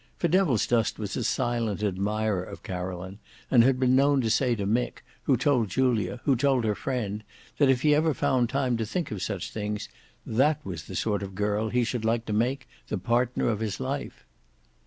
For Devilsdust was a silent admirer of Caroline, and had been known to say to Mick, who told Julia, who told her friend, that if he ever found time to think of such things, that was the sort of girl he should like to make the partner of his life.